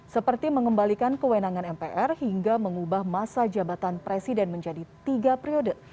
seperti mengembalikan kewenangan mpr hingga mengubah masa jabatan presiden menjadi tiga periode